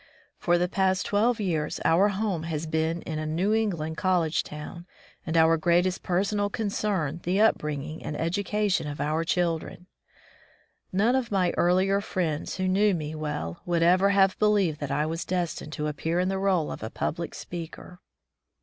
For the past twelve years our home has been in a New England college town, and our greatest personal con cern the upbringing and education of our children. None of my earlier friends who knew me well would ever have believed that I was destined to appear in the rdle of a public speaker!